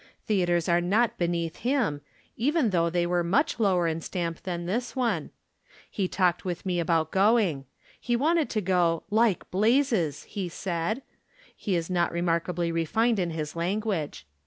The atres are not beneath him, even though they were much lower in stamp than this one. He talked with me about going. He wanted to go " like blazes !" he said. He is not remarkably refined in his language.